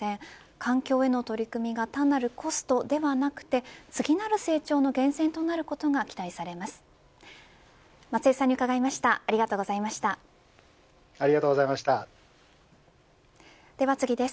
環境への取り組みが単なるコストではなく次なる成長の源泉となることが期待されます。